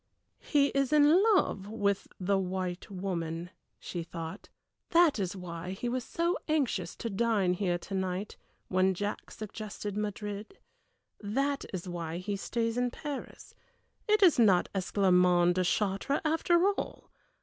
"He is in love with the white woman," she thought; "that is why he was so anxious to dine here to night, when Jack suggested Madrid; that is why he stays in Paris. It is not Esclarmonde de Chartres after all!